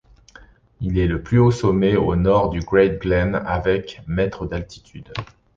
Il est le plus haut sommet au nord du Great Glen avec mètres d'altitude.